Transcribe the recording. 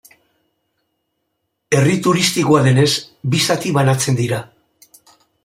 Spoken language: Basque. Herri turistikoa denez, bi zati banatzen dira.